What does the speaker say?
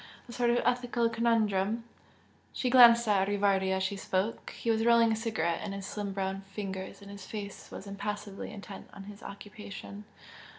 A sort of ethical conundrum!" She glanced at Rivardi as she spoke he was rolling a cigarette in his slim brown fingers and his face was impassively intent on his occupation.